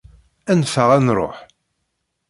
Anef-aɣ ad nruḥ!